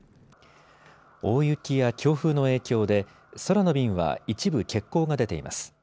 大雪や強風の影響で空の便は一部、欠航が出ています。